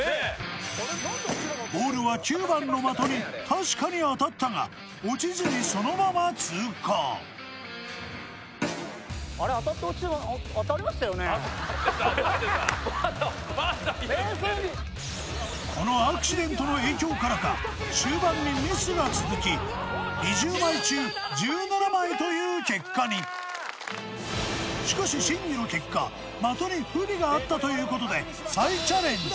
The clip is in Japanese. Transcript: ボールは９番の的に確かに当たったが落ちずにそのまま通過あれ当たって落ちてまだ怒ってまだ言ってるこのアクシデントの影響からか終盤にミスが続き２０枚中１７枚という結果にしかし審議の結果的に不備があったということで再チャレンジ